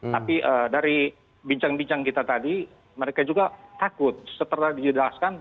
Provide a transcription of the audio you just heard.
tapi dari bincang bincang kita tadi mereka juga takut setelah dijelaskan